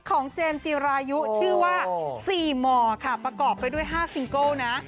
เจมส์จีรายุชื่อว่า๔หม่อค่ะประกอบไปด้วย๕ซิงเกิลนะ